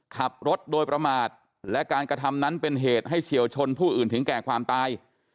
ขับรถโดยประมาทและการกระทำนั้นเป็นเหตุให้เฉียวชนผู้อื่นถึงแก่ความตาย